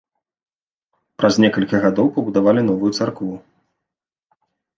Праз некалькі гадоў пабудавалі новую царкву.